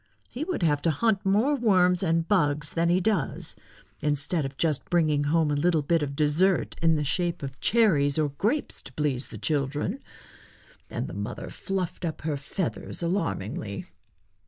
He would have to hunt more worms and bugs than he does, instead of just bringing home a little bit of dessert in the shape of cherries or grapes to please the children;" and the mother fluffed up her feathers alarmingly.